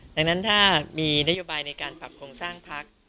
ดังนั้นถ้ามีนโยบายในการปรับโครงสร้างพัก